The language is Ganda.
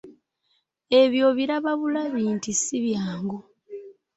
Ebyo obiraba bulabi nti si byangu.